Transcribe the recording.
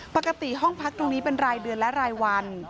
ปกติห้องพักตรงนี้เป็นรายเดือนและรายวัน